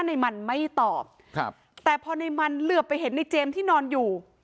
ในมันไม่ตอบครับแต่พอในมันเหลือไปเห็นในเจมส์ที่นอนอยู่